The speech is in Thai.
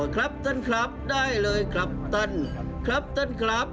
พบศพนะครับได้เป็นเกี่ยวสอบที่เกิดเมตรนะครับ